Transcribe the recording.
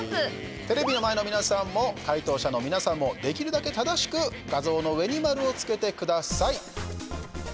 テレビの前の皆さんも解答者の皆さんもできるだけ正しく画像の上に丸をつけてください。